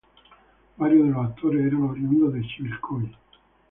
Varios de los actores eran oriundos de Chivilcoy.